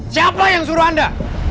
siapa yang suruh anda